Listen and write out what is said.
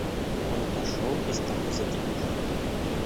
Он отошел и стал позади их.